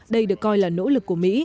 đây được coi là nỗ lực của mỹ